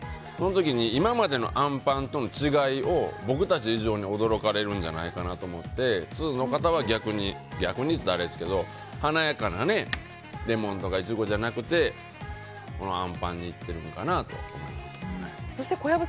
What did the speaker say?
その時、今までのあんぱんとの違いを僕たち以上に驚かれるんじゃないかと思って通の方は逆に、逆にって言ったらあれですけど華やかなレモンとかイチゴじゃなくてこのあんぱんにいってるのかなと。